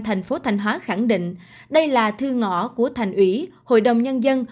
thành phố thanh hóa khẳng định đây là thư ngõ của thành ủy hội đồng nhân dân